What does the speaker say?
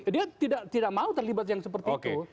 dia tidak mau terlibat yang seperti itu